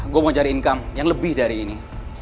gue mau cari income yang lebih dari ini